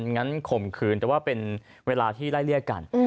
งั้นข่มขืนแต่ว่าเป็นเวลาที่ไล่เลี่ยกัน